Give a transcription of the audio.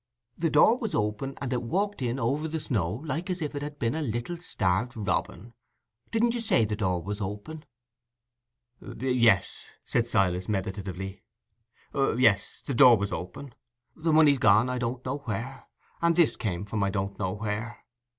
The door was open, and it walked in over the snow, like as if it had been a little starved robin. Didn't you say the door was open?" "Yes," said Silas, meditatively. "Yes—the door was open. The money's gone I don't know where, and this is come from I don't know where."